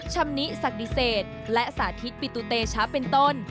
ชำนิสักดิเศษและสาธิตปิตุเตชะเป็นต้น